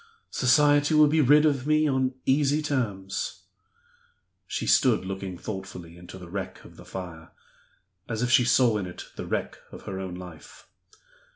Society will be rid of me on easy terms." She stood looking thoughtfully into the wreck of the fire as if she saw in it the wreck of her own life.